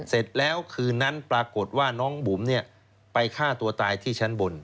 เสร็จแล้วคืนนั้นปรากฏว่าน้องบุ๋มไปฆ่าตัวตายที่ชั้นบน